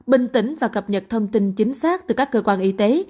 bình tĩnh và cập nhật thông tin chính xác từ các cơ quan y tế